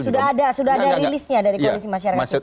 sudah ada sudah ada rilisnya dari koalisi masyarakat sipil